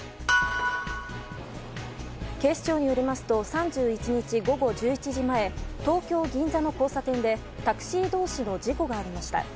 警視庁によりますと３１日午後１１時前東京・銀座の交差点でタクシー同士の事故がありました。